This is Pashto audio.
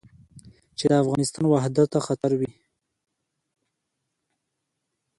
چې د افغانستان وحدت ته خطر وي.